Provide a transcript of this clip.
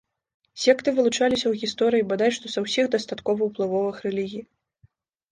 Секты вылучаліся ў гісторыі бадай што са ўсіх дастаткова ўплывовых рэлігій.